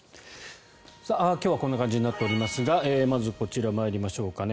今日はこんな感じになっておりますがまず、こちら参りましょうかね。